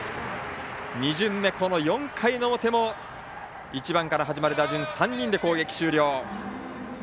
２巡目、４回の表も１番から始まる打順３人で攻撃終了。